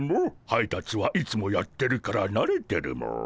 配達はいつもやってるからなれてるモ。